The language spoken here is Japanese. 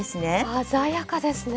鮮やかですね。